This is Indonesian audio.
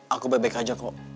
aku baik baik aja kok